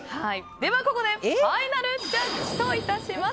では、ここでファイナルジャッジといたします。